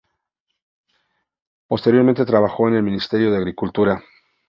Posteriormente trabajó en el Ministerio de Agricultura.